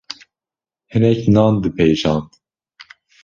hinek nan dipêjand